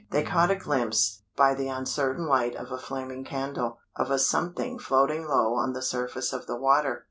They caught a glimpse, by the uncertain light of a flaming candle, of a something floating low on the surface of the water.